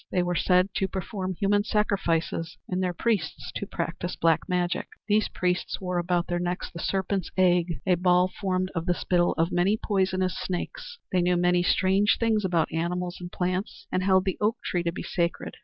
They were said to perform human sacrifices and their priests to practise black magic. These priests wore about their necks the "serpent's egg," a ball formed of the spittle of many poisonous snakes; they knew many strange things about animals and plants and held the oak tree to be sacred.